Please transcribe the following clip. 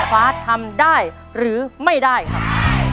ฟ้าทำได้หรือไม่ได้ครับ